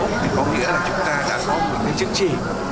có nghĩa là chúng ta đã có một cái chứng chỉ